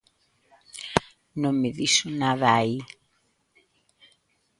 Non me dixo nada aí.